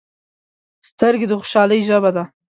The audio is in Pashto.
سترګې د خوشحالۍ ژبه ده